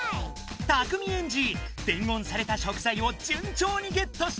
たくみエンジ伝言された食材を順調にゲットしていく。